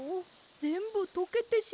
ぜんぶとけてしまって。